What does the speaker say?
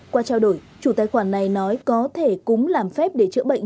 qua trao đổi chủ tài khoản này nói có thể cúng làm phép để chữa bệnh